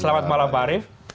selamat malam pak arief